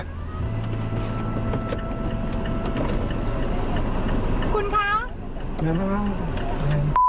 คุณขาว